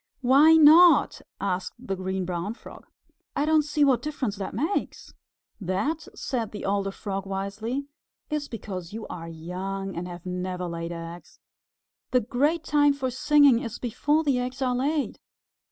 "Why not?" asked the Green Brown Frog. "I don't see what difference that makes." "That," said the older Frog wisely, "is because you are young and have never laid eggs. The great time for singing is before the eggs are laid.